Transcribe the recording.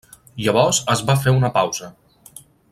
Llavors es va fer una pausa.